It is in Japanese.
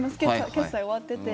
決済終わってて。